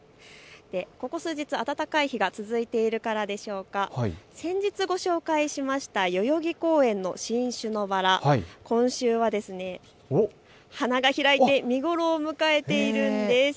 ここ数日、暖かい日が続いているからでしょうか、先日ご紹介しました代々木公園の品種のバラ、今週は花が開いて見頃を迎えているんです。